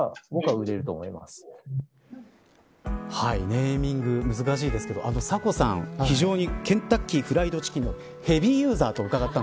ネーミング難しいですけどサコさん、非常にケンタッキーフライドチキンのヘビーユーザーとうかがいました。